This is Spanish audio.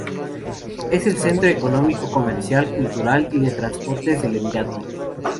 Es el centro económico, comercial, cultural y de transportes del emirato.